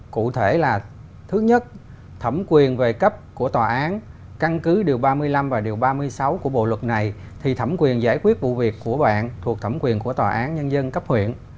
cụ thể là thứ nhất thẩm quyền về cấp của tòa án căn cứ điều ba mươi năm và điều ba mươi sáu của bộ luật này thì thẩm quyền giải quyết vụ việc của bạn thuộc thẩm quyền của tòa án nhân dân cấp huyện